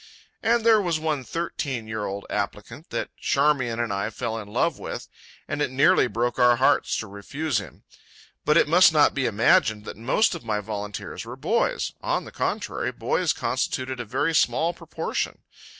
And there was one thirteen year old applicant that Charmian and I fell in love with, and it nearly broke our hearts to refuse him. But it must not be imagined that most of my volunteers were boys; on the contrary, boys constituted a very small proportion.